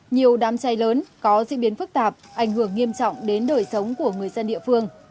nhiều đám cháy lớn có diễn biến phức tạp ảnh hưởng nghiêm trọng đến đời sống của người dân địa phương